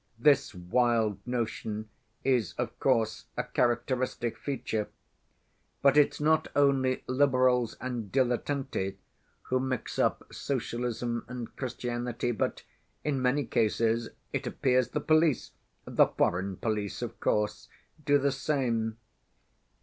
This wild notion is, of course, a characteristic feature. But it's not only Liberals and dilettanti who mix up socialism and Christianity, but, in many cases, it appears, the police—the foreign police, of course—do the same.